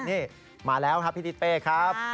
นี่มาแล้วครับพี่ทิศเป้ครับ